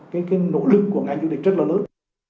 cái nỗ lực của ngành du lịch rất là lớn